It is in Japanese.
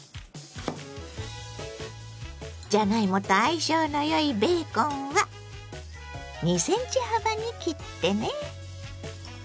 じゃがいもと相性のよいベーコンは２ｃｍ幅に切ってね。